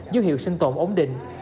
dư hiệu sinh tổn ổn định